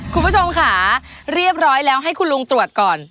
คุณผู้ชมค่ะเรียบร้อยแล้วให้คุณลุงตรวจก่อน